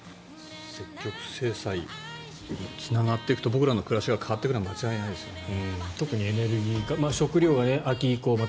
積極制裁につながっていくと僕らの暮らしが変わっていくのは間違いないですよね。